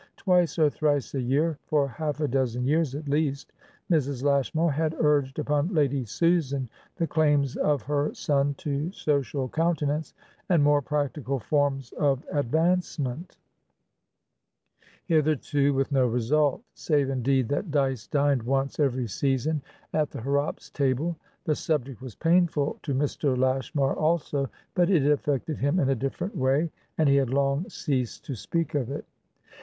Twice or thrice a year, for half a dozen years at least, Mrs. Lashmar had urged upon Lady Susan the claims of her son to social countenance and more practical forms of advancement; hitherto with no resultsave, indeed, that Dyce dined once every season at the Harrops' table. The subject was painful to Mr. Lashmar also, but it affected him in a different way, and he had long ceased to speak of it.